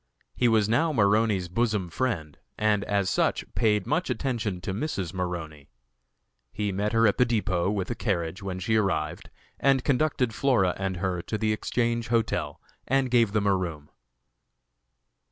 He was now Maroney's bosom friend, and as such paid much attention to Mrs. Maroney. He met her at the depot with a carriage when she arrived, and conducted Flora and her to the Exchange Hotel and gave them a room.